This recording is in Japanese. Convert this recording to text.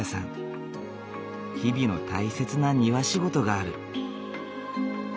日々の大切な庭仕事がある。